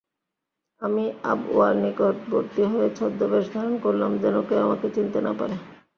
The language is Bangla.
আমি আবওয়ার নিকটবর্তী হয়ে ছদ্মবেশ ধারণ করলাম, যেন কেউ আমাকে চিনতে না পারে।